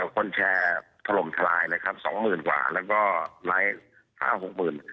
คนแชร์พลมทลายละครับ๒หมื่นความก็๕๖หมื่น